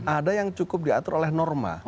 ada yang cukup diatur oleh norma